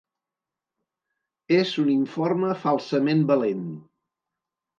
És un informe falsament valent.